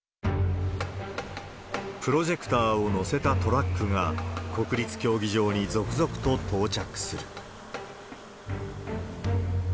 プロジェクターを載せたトラックが、国立競技場に続々と到着する。